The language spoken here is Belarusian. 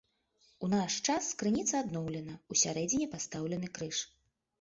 У наш час крыніца адноўлена, усярэдзіне пастаўлены крыж.